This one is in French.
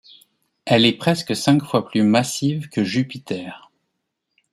Elle est presque cinq fois plus massive que Jupiter.